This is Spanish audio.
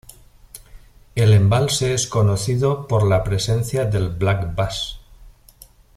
El embalse es conocido por la presencia del black bass.